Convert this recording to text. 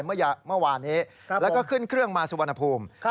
เมื่อวานนี้แล้วก็ขึ้นเครื่องมาสุวรรณภูมิ